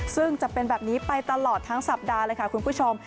ซึ่งจะเป็นแบบนี้ไปตลอดทั้งสัปดาห์เลยค่ะคุณผู้ชม